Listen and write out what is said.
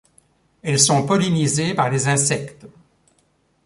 Elles sont pollinisées par les insectes.